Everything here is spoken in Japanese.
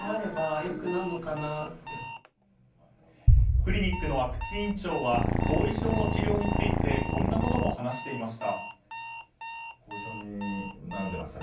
クリニックの阿久津院長は後遺症の治療についてこんなことも話していました。